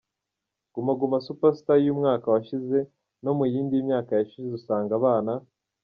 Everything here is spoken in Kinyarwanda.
Guma Guma Super Star yumwaka washize no mu yindi myaka yashize usanga abana.